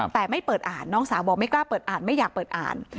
แต่ไม่เปิดอ่านไม่กล้าอ่านและไม่อยากเปิดอ่าน